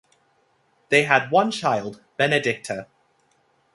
They had one child, Benedicta.